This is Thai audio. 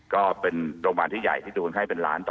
ก็เป็นโรงยะุขาที่ใหญ่ที่หลุมให้เป็นล้านต่อปี